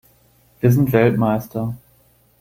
Wir sind Weltmeister!